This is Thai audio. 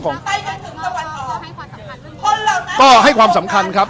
ก็ให้ความสำคัญครับ